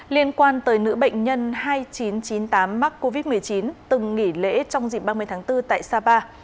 liên quan tới nữ bệnh nhân hai nghìn chín trăm chín mươi tám mắc covid một mươi chín từng nghỉ lễ trong dịp ba mươi tháng bốn tại sapa